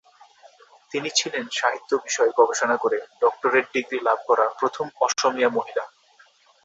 তিনি ছিলেন সাহিত্য বিষয়ে গবেষণা করে ডক্টরেট ডিগ্রী লাভ করা প্রথম অসমীয়া মহিলা।